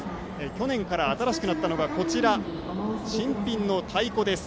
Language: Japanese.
去年から新しくなったのが新品の太鼓です。